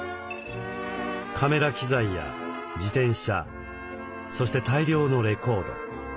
カメラ機材や自転車そして大量のレコード。